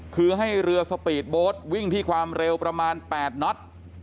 คือให้เรือสปีดโบสต์วิ่งที่ความเร็วประมาณ๘น็อต